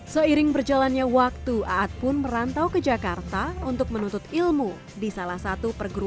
seiring berjalannya waktu aad pun merantau ke jakarta untuk menuntut ilmu di salah satu perguruan